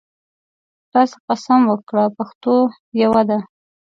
راسه قسم وکړو پښتو یوه ده